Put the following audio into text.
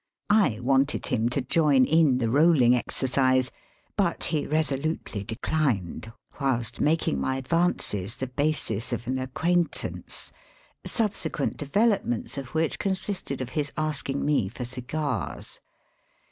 I wanted him to join in the rolling exorcise, but he resolutely declined, whilst making my advances the basis of an acquaintance, subsequent develop ments of which consisted of his asking me for cigars.